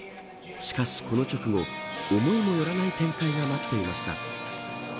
しかし、この直後思いもよらない展開が待っていました。